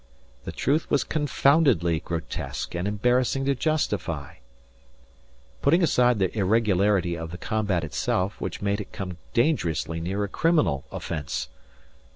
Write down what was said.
The truth was confoundedly grotesque and embarrassing to justify; putting aside the irregularity of the combat itself which made it come dangerously near a criminal offence.